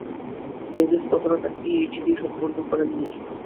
Davies কখনও তাঁর PhD সম্পূর্ণ করেন নি।